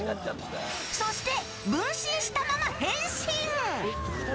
そして、分身したまま変身！